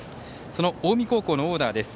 その近江高校のオーダーです。